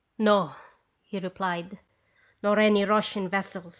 "No," he replied, "nor any Russian ves sel."